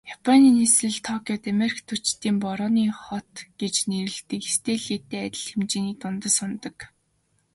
Японы нийслэл Токиод Америкчуудын Борооны хот гэж нэрлэдэг Сиэтллтэй адил хэмжээний тунадас унадаг.